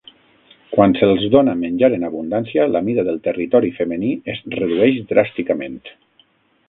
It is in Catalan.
Quan se'ls dona menjar en abundància, la mida del territori femení es redueix dràsticament.